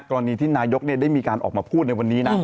กรณีที่นายกได้มีการออกมาพูดในวันนี้นะ